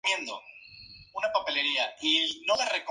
Es una planta herbácea perenne o bienal.